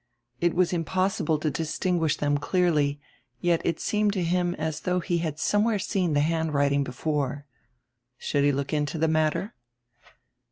It was impossible to distinguish them clearly, yet it seenred to him as though he had somewhere seen tire handwriting before. Should he look into tire matter?